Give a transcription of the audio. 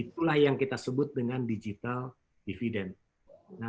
itulah yang kita sebut dengan digital dividend